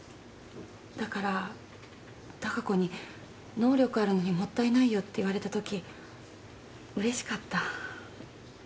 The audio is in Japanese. だから貴子に「能力あるのにもったいないよ」って言われたとき嬉しかった。